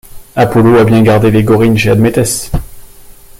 Apollo a bien gardé les gorrines chez Admétès.